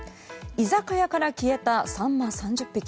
居酒屋から消えたサンマ３０匹。